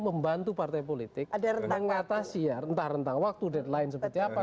membantu partai politik mengatasi ya entah rentang waktu deadline seperti apa